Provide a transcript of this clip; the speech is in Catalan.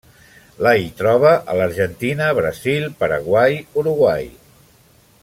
La hi troba a l'Argentina, Brasil, Paraguai, Uruguai.